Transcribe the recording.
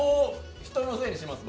人のせいにします、僕。